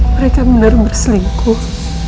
mereka benar benar berselingkuh